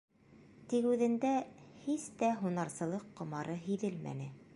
Тик үҙендә һис тә һунарсылыҡ ҡомары һиҙелмәне.